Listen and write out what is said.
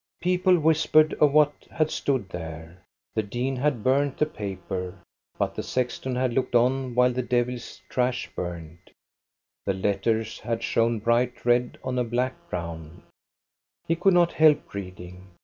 People whispered of what had stood there. The 308 THE STORY OF GOSTA BE RUNG dean had burnt the paper, but the sexton had looked on while the devil's trash burned. The letters had shone bright red on a black ground. He could not help reading.